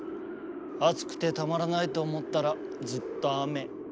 暑くてたまらないと思ったらずっと雨。